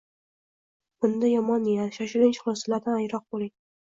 Bunda yomon niyat, shoshilinch xulosalardan yiroq bo‘ling.